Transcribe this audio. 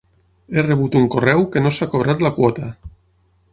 He rebut un correu que no s'ha cobrat la quota.